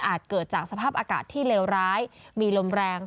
เกิดจากสภาพอากาศที่เลวร้ายมีลมแรง